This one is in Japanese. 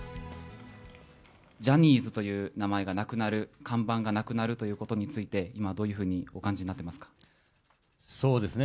ジャニーズという名前がなくなる、看板がなくなるということについて、今、どういうふうにお感じにそうですね。